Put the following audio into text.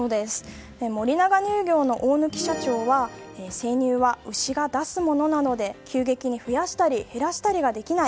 森永乳業の大貫社長は生乳は牛が出すものなので急激に増やしたり減らしたりができない。